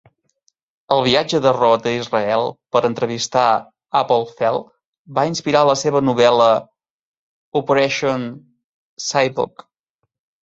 El viatge de Roth a Israel per entrevistar Appelfeld va inspirar la seva novel·la "Operation Shylock".